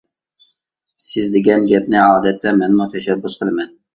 سىز دېگەن گەپنى ئادەتتە مەنمۇ تەشەببۇس قىلىمەن.